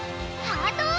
ハートを！